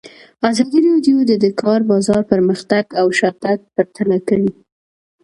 ازادي راډیو د د کار بازار پرمختګ او شاتګ پرتله کړی.